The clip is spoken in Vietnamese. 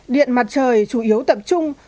điện mặt trời chủ yếu tập trung